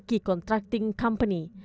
yang memiliki kontrakting company